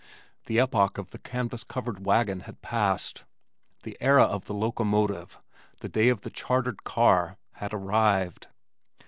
The epoch of the canvas covered wagon had passed. The era of the locomotive, the day of the chartered car, had arrived.